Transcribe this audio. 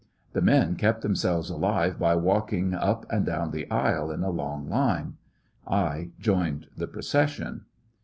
The men kept themselves alive by walking up and down the aisle in a long line. I joined the procession.